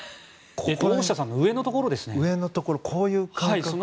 大下さんの上のところですね。